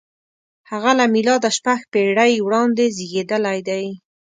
• هغه له مېلاده شپږ پېړۍ وړاندې زېږېدلی دی.